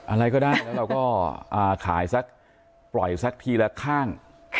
อะไรก็ได้แล้วเราก็ขายสักปล่อยสักทีละข้าง